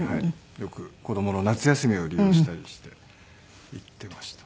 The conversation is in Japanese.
よく子供の夏休みを利用したりして行っていました。